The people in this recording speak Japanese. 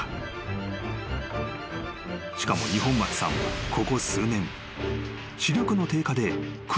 ［しかも二本松さんはここ数年］